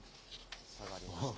下がりました。